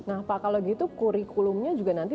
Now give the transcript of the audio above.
nah pak kalau gitu kurikulumnya juga nanti